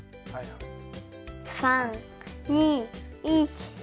３２１。